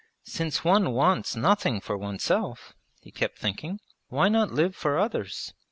'Since one wants nothing for oneself,' he kept thinking, 'why not live for others?'